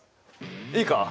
いいか！